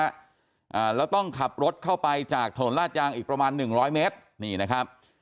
อ่าแล้วต้องขับรถเข้าไปจากถนนลาดยางอีกประมาณหนึ่งร้อยเมตรนี่นะครับ